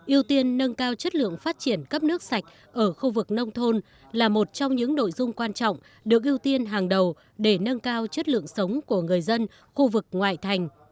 yêu tiên nâng cao chất lượng phát triển cấp nước sạch ở khu vực nông thôn là một trong những nội dung quan trọng được ưu tiên hàng đầu để nâng cao chất lượng sống của người dân khu vực ngoại thành